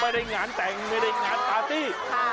ไม่ได้งานแต่งทานี